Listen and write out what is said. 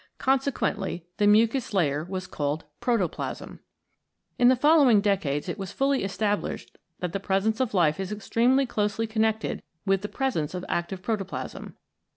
Con sequently the mucous layer was called Protoplasm. In the following decades it was fully established that the presence of life is extremely closely connected with the presence of active protoplasm.